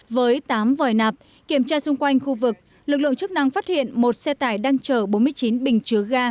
với tám vòi nạp kiểm tra xung quanh khu vực lực lượng chức năng phát hiện một xe tải đang chở bốn mươi chín bình chứa ga